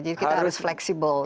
jadi kita harus fleksibel ya